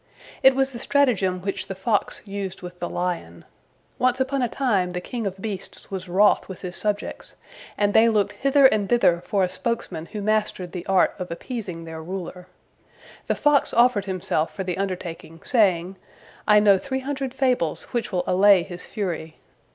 It was the stratagem which the fox used with the lion. Once upon a time the king of beasts was wroth with his subjects, and they looked hither and thither for a spokesman who mastered the art of appeasing their ruler. The fox offered himself for the undertaking, saying, "I know three hundred fables which will allay his fury."